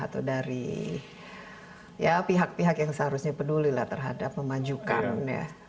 atau dari ya pihak pihak yang seharusnya pedulilah terhadap memajukan ya